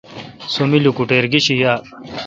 سو می لوکوٹییر گش یار۔